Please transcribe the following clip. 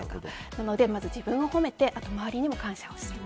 なのでまず自分を褒めてあとは周りにも感謝する。